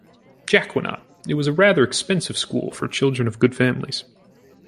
Jacquinot; it was a rather expensive school for children of good families.